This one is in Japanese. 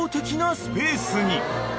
スペースに］